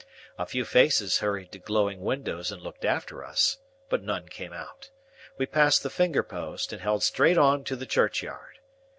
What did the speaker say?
A few faces hurried to glowing windows and looked after us, but none came out. We passed the finger post, and held straight on to the churchyard.